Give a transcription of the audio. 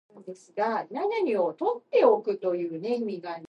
The star marks the top of the Archer's bow.